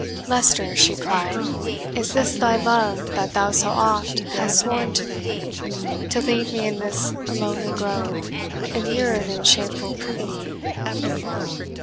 "Leicester," she cried, "is this thy love That thou so oft hast sworn to me, To leave me in this lonely grove, Immured in shameful privity?